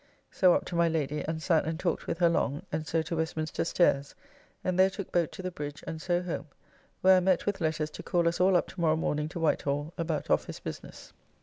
So up to my Lady, and sat and talked with her long, and so to Westminster Stairs, and there took boat to the bridge, and so home, where I met with letters to call us all up to morrow morning to Whitehall about office business.